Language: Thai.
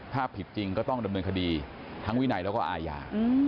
ถ้าผิดจริงก็ต้องดำเนินคดีทั้งวินัยแล้วก็อาญา